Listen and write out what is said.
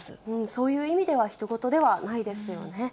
そういう意味では、ひと事ではないですよね。